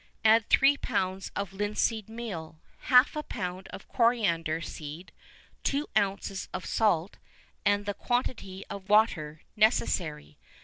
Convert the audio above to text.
Add three pounds of linseed meal, half a pound of coriander seed, two ounces of salt, and the quantity of water necessary.